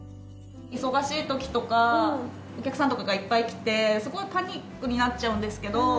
忙しいときとかお客さんとかがいっぱい来てすごいパニックになっちゃうんですけど。